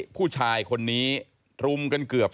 ผู้ชายคนนี้รุมกันเกือบ